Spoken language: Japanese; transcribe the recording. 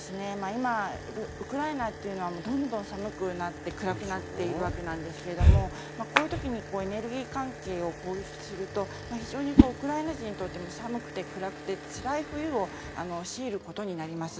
今、ウクライナというのはどんどん寒くなって暗くなっているわけなんですけどこういう時にエネルギー関係を攻撃すると非常にウクライナ人にとって寒くて、暗くてつらい冬を強いることになります。